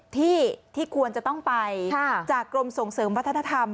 ที่ควรจะต้องไปจากกรมส่งเสริมวัฒนธรรม